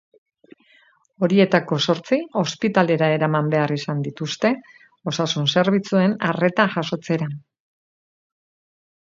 Horietako zortzi ospitalera eraman behar izan dituzte osasun-zerbitzuen arreta jasotzera.